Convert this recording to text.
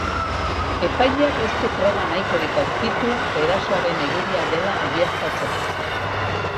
Epaileak ez du froga nahikorik aurkitu erasoaren egilea dela egiaztatzeko.